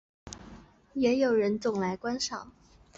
也有人种来观赏。